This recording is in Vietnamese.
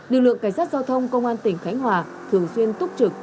lực lượng cảnh sát giao thông công an tỉnh khánh hòa thường xuyên túc trực